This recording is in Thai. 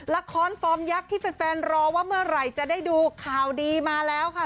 ละครฟอร์มยักษ์ที่แฟนรอว่าเมื่อไหร่จะได้ดูข่าวดีมาแล้วค่ะ